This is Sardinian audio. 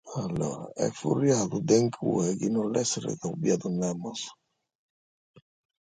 Est furriadu de incue chi no l'esseret obiadu nemos.